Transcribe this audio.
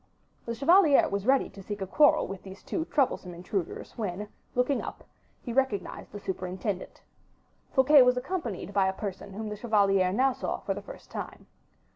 The chevalier was ready to seek a quarrel with these two troublesome intruders, when, looking up, he recognized the superintendent. Fouquet was accompanied by a person whom the chevalier now saw for the first time.